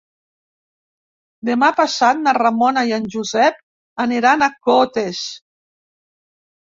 Demà passat na Ramona i en Josep aniran a Cotes.